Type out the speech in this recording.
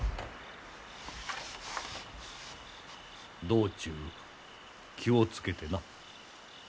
道中気を付けてな。